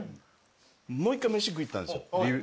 もう１回飯食いに行ったんですよ。